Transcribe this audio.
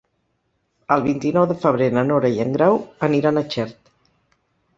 El vint-i-nou de febrer na Nora i en Grau aniran a Xert.